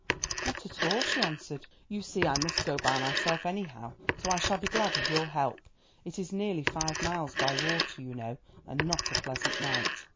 "Not at all," she answered, "you see I must go myself anyhow, so I shall be glad of your help. It is nearly five miles by water, you know, and not a pleasant night."